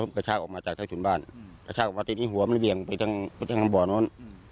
กระชากออกมาจากทั้งสุนบ้านกระชากออกมาตรงนี้หัวมันเบี่ยงไปจน